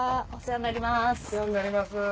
お世話になります。